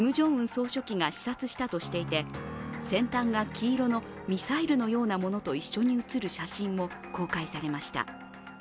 総書記が視察したとしていて先端が黄色のミサイルのようなものと一緒に写る写真も公開されました。